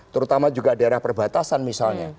terutama juga daerah perbatasan misalnya